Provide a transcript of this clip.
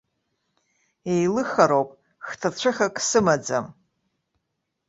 Еилыхароуп, хҭацәыхак сымаӡам.